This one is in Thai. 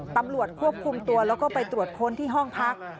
ตำรวจควบคุมตัวแล้วก็ไปตรวจค้นที่ห้องพัก